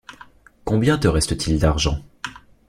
Combien te reste-t-il d’argent?